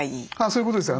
そういうことです。